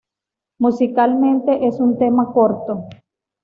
Musicalmente es un tema corto.